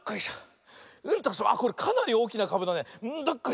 あっこれかなりおおきなかぶだね。